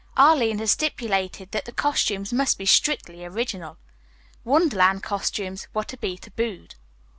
Arline had stipulated that the costumes must be strictly original. Wonderland costumes were to be tabooed.